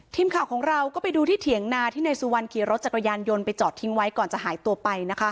ทีมข่าวของเราก็ไปดูที่เถียงนาที่นายสุวรรณขี่รถจักรยานยนต์ไปจอดทิ้งไว้ก่อนจะหายตัวไปนะคะ